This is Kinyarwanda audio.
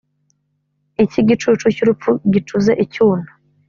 icy’igicucu cy’urupfu gicuze icyuna,